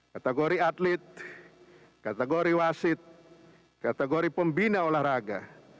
kategori atlet kategori wasit kategori pembina olahraga